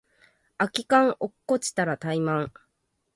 空き缶落っこちたらタイマン